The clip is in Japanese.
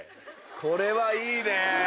これはいいね！